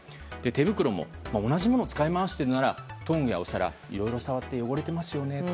手袋も同じものを使い回しているならトングやお皿いろいろ触って汚れていますよね。